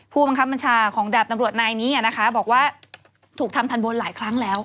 ผู้บังคับบัญชาของดาบตำรวจนายนี้นะคะบอกว่าถูกทำทันบนหลายครั้งแล้ว